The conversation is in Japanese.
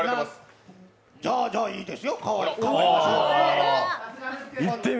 じゃ、じゃ、いいですよ。